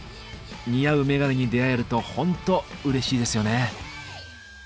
似合うメガネに出会えるとホントうれしいですよね。